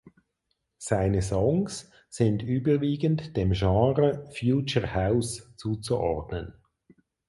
Seine Songs sind überwiegend dem Genre Future House zuzuordnen.